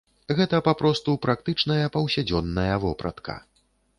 Гэта папросту практычная паўсядзённая вопратка.